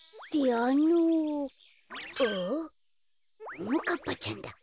ももかっぱちゃんだ。